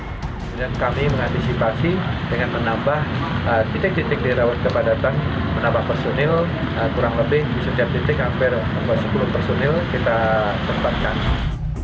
kemudian kami mengantisipasi dengan menambah titik titik dirawat yang pada datang menambah personil kurang lebih bisa diberikan kembali ke tempat yang berada di puncak bogor